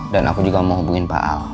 dan aku juga mau hubungin pak al